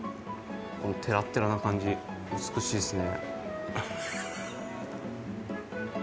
このテラッテラな感じ美しいっすね